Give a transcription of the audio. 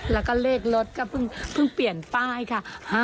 แล้วก็เลขรถก็เพิ่งเปลี่ยนป้ายค่ะ